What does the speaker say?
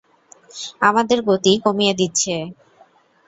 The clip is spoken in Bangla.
আমাদের গতি কমিয়ে দিচ্ছে!